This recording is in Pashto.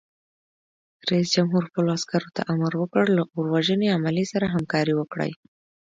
رئیس جمهور خپلو عسکرو ته امر وکړ؛ له اور وژنې عملې سره همکاري وکړئ!